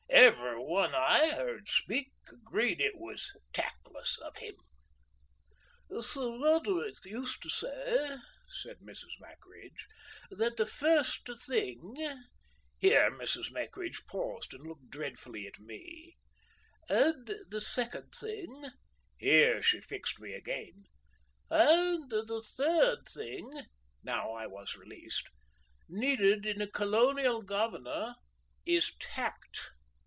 Every one I 'eard speak, agreed it was takless of 'im." "Sir Roderick used to say," said Mrs. Mackridge, "that the First Thing,"—here Mrs. Mackridge paused and looked dreadfully at me—"and the Second Thing"—here she fixed me again—"and the Third Thing"—now I was released—"needed in a colonial governor is Tact."